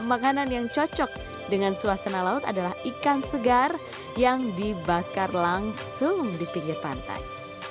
makanan yang cocok dengan suasana laut adalah ikan segar yang dibakar langsung di pinggir pantai